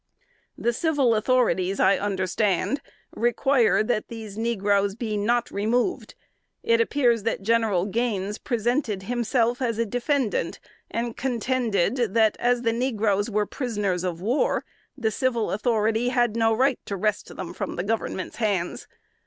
The civil authorities, I understand, require that these negroes be not removed. It appears that General Gaines presented himself as defendant, and contended, that as the negroes were prisoners of war, the civil authority had no right to wrest them from the Government's hands.